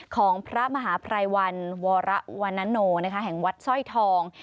ของพระมหาปรายวัญวาระวันนโนนะครับแห่งวัดสร้อยทอง